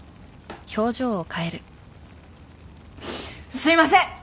すいません！